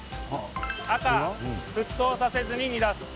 赤・沸騰させずに煮出す。